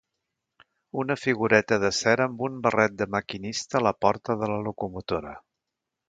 Una figureta de cera amb un barret de maquinista a la porta de la locomotora.